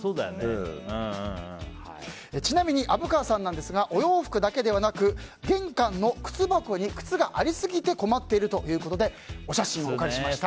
ちなみに虻川さんなんですがお洋服だけでなく玄関の靴箱に靴がありすぎて困っているということでお写真をお借りしました。